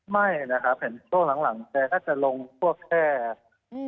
ไม่นะครับเห็นช่วงหลังจะลงพวกแพทย์